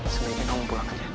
sebelum ini kamu pulang aja